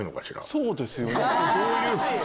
そうですよね。